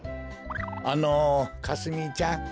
あのかすみちゃん。